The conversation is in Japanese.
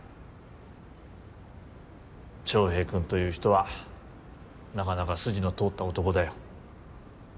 翔平君という人はなかなか筋の通った男だよ。